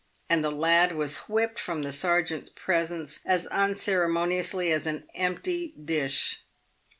And the lad was whipped from the sergeant's presence as unceremoniously as an empty dish.